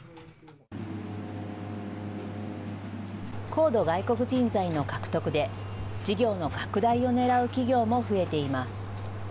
高度外国人材の獲得で、事業の拡大をねらう企業も増えています。